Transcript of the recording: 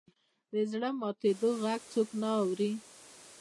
د زړه ماتېدو ږغ څوک نه اوري.